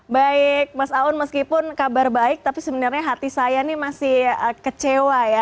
baik mas aun meskipun kabar baik tapi sebenarnya hati saya ini masih kecewa ya